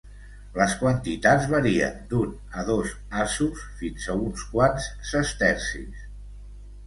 Les quantitats varien d'un a dos asos fins a uns quants sestercis.